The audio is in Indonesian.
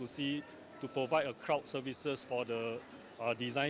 untuk memberikan perkhidmatan untuk fase desain